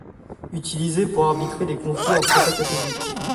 Utilisé pour arbitrer les conflits entre états catholiques.